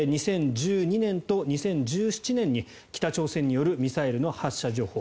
そして２０１２年と２０１７年に北朝鮮によるミサイルの発射情報。